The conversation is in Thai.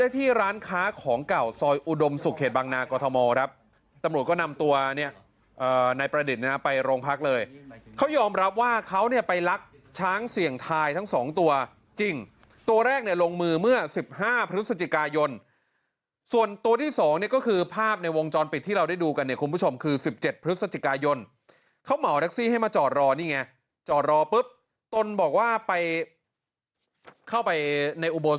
ตำรวจก็นำตัวเนี่ยในประดิษฐ์นะไปโรงพักเลยเขายอมรับว่าเขาเนี่ยไปลักช้างเสียงทายทั้ง๒ตัวจริงตัวแรกในลงมือเมื่อ๑๕พฤศจิกายนส่วนตัวที่๒นี่ก็คือภาพในวงจรปิดที่เราได้ดูกันเนี่ยคุณผู้ชมคือ๑๗พฤศจิกายนเขาเหมารักซี่ให้มาจอดรอนี่ไงจอดรอปุ๊บต้นบอกว่าไปเข้าไปในอุโบ